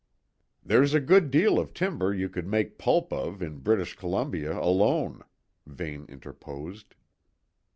"There's a good deal of timber you could make pulp of in British Columbia alone," Vane interposed.